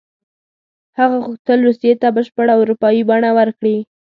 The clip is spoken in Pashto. هغه غوښتل روسیې ته بشپړه اروپایي بڼه ورکړي.